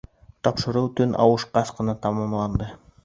Тапшырыу төн ауышҡас ҡына тамамланды.